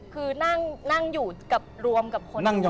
คือนั่งอยู่รวมกับคนอื่นเนี่ยแบบ